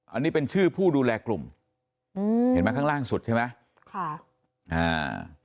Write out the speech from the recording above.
อันนี้เป็นชื่อผู้ดูแลกลุ่มอืมเห็นไหมข้างล่างสุดใช่ไหมค่ะอ่า